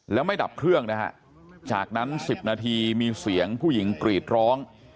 แล้วไม่ดับเครื่องนะฮะจากนั้น๑๐นาทีมีเสียงผู้หญิงกรีดร้อง